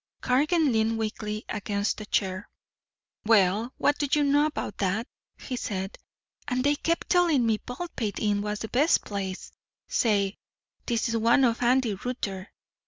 Cargan leaned weakly against a chair. "Well, what do you know about that," he said. "And they kept telling me Baldpate Inn was the best place say, this is one on Andy Rutter.